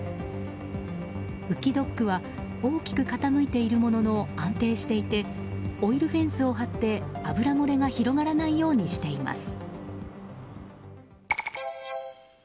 浮きドックは大きく傾いているものの安定していてオイルフェンスを張って油漏れが広がらないようにしています。